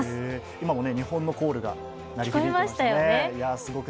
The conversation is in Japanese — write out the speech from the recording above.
今も日本のコールが鳴り響いてましたね。